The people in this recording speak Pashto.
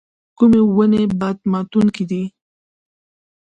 کومې ونې باد ماتوونکي دي؟